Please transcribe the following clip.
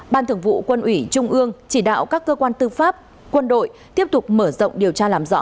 ban thường vụ quân ủy trung ương chỉ đạo các cơ quan tư pháp quân đội tiếp tục mở rộng điều tra làm rõ